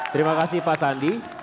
terima kasih pak sandi